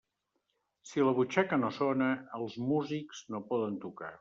Si la butxaca no sona, els músics no poden tocar.